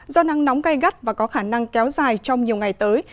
do nắng nóng gai gắt và có khả năng kéo dài trong nhiều ngày tới